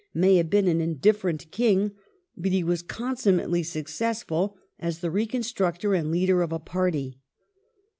may have been an indifferent King, but he was consummately successful as the reconstructor and leader of a party